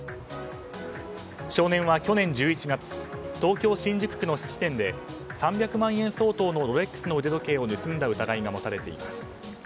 少年は去年１１月東京・新宿区の質店で３００万円相当のロレックスの腕時計を盗んだ疑いが持たれています。